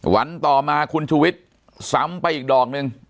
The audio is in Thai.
วันต่อมาคุณชูวิทย์ซ้ำไปอีกดอกหนึ่ง